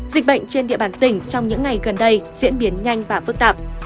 dịch bệnh trên địa bàn tỉnh trong những ngày gần đây diễn biến nhanh và phức tạp